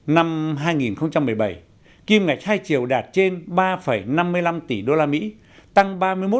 năm hai nghìn một mươi bảy kim ngạch hai triệu đạt trên ba năm mươi năm tỷ usd tăng ba mươi một tám